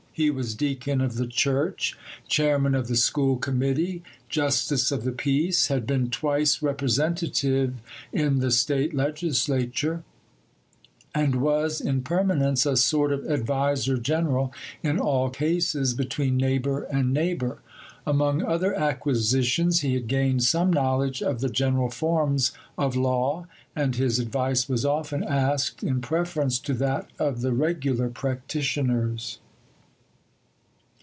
He was deacon of the church, chairman of the school committee, justice of the peace, had been twice representative in the State legislature, and was in permanence a sort of adviser general in all cases between neighbour and neighbour. Among other acquisitions, he had gained some knowledge of the general forms of law, and his advice was often asked in preference to that of the regular practitioners.